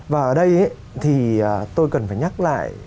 và ở đây thì tôi cần phải nhắc lại